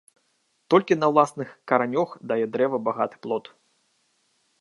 Толькі на ўласных каранёх дае дрэва багаты плод